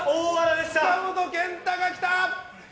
塚本健太が来た！